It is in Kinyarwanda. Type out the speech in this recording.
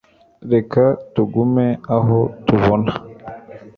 reka tugume aho tubona